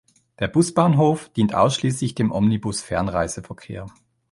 Der Busbahnhof dient ausschließlich dem Omnibus-Fernreiseverkehr.